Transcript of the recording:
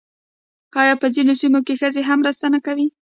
آیا په ځینو سیمو کې ښځې هم مرسته نه کوي؟